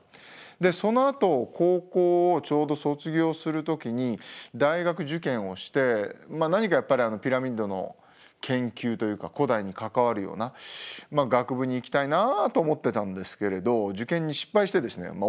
でそのあと高校をちょうど卒業する時に大学受験をして何かやっぱりピラミッドの研究というか古代に関わるような学部に行きたいなと思ってたんですけれど受験に失敗してですねまあ